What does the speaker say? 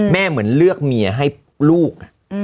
เหมือนเลือกเมียให้ลูก